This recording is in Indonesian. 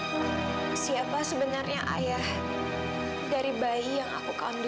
mila tunggu tunggu